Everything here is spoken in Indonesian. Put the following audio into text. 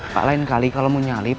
pak lain kali kalau mau nyalip